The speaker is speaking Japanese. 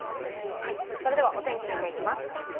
それではお天気を見ていきます。